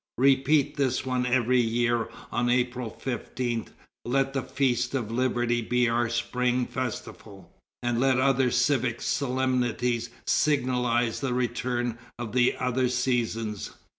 Repeat this one every year on April 15; let the feast of Liberty be our spring festival; and let other civic solemnities signalize the return of the other seasons.